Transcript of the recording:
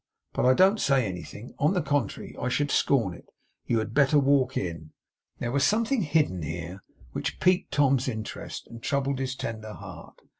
'But I don't say anything. On the contrary, I should scorn it. You had better walk in!' There was something hidden here, which piqued Tom's interest and troubled his tender heart.